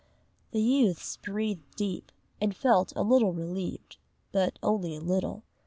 The youths breathed deep, and felt a little relieved, but only a little.